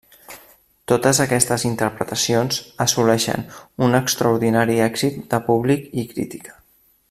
Totes aquestes interpretacions assoleixen un extraordinari èxit de públic i crítica.